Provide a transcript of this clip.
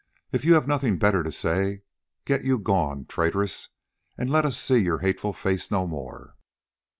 If you have nothing better to say, get you gone, traitress, and let us see your hateful face no more."